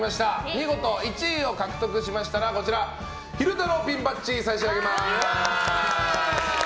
見事１位を獲得しましたら昼太郎ピンバッジ差し上げます。